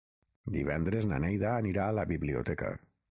Divendres na Neida anirà a la biblioteca.